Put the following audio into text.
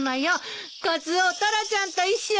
カツオタラちゃんと一緒に。